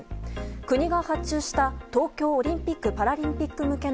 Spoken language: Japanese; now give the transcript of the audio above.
国が発注した東京オリンピック・パラリンピック向けの